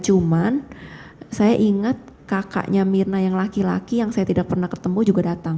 cuman saya ingat kakaknya mirna yang laki laki yang saya tidak pernah ketemu juga datang